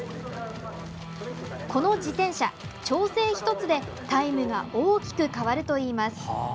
この自転車、調整１つでタイムが大きく変わるといいます。